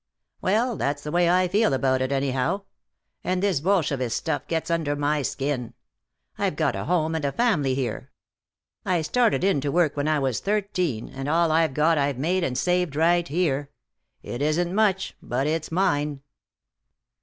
"Well, that's the way I feel about it, anyhow. And this Bolshevist stuff gets under my skin. I've got a home and a family here. I started in to work when I was thirteen, and all I've got I've made and saved right here. It isn't much, but it's mine."